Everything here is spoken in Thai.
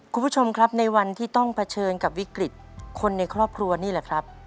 คุณผู้ชมครับในวันที่ต้องเผชิญกับวิกฤตคนในครอบครัวนี่แหละครับ